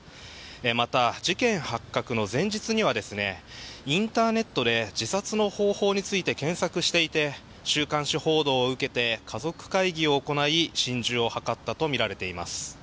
また、事件発覚の前日にはインターネットで自殺の方法について検索していて週刊誌報道を受けて家族会議を行い心中を図ったとみられています。